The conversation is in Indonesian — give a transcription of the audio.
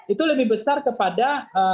itu lebih besar kepada